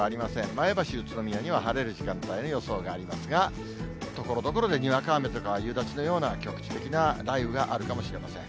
前橋、宇都宮には晴れる時間帯の予想がありますが、ところどころでにわか雨とか夕立のような局地的な雷雨があるかもしれません。